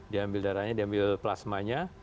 diambil darahnya diambil plasmanya